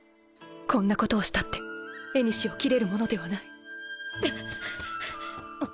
こんなことをしたって縁を斬れるものではないハァハァ。